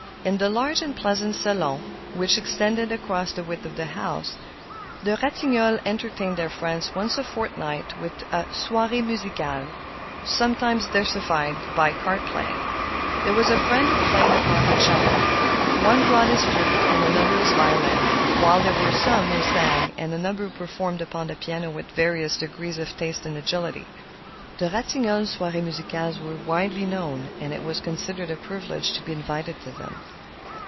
In the large and pleasant salon which extended across the width of the house, the Ratignolles entertained their friends once a fortnight with a soirée musicale, sometimes diversified by card playing. There was a friend who played upon the cello. One brought his flute and another his violin, while there were some who sang and a number who performed upon the piano with various degrees of taste and agility. The Ratignolles' soirées musicales were widely known, and it was considered a privilege to be invited to them.